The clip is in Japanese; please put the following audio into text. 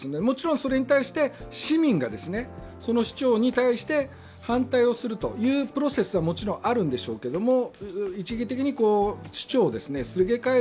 もちろんそれに対して市民が、その市長に対して反対をするというプロセスはもちろんあるんでしょうけれど